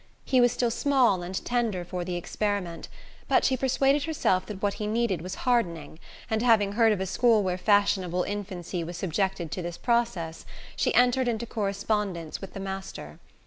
He was still small and tender for the experiment; but she persuaded herself that what he needed was "hardening," and having heard of a school where fashionable infancy was subjected to this process, she entered into correspondence with the master.